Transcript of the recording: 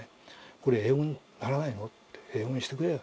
「これ英語にならないの？」って「英語にしてくれよ」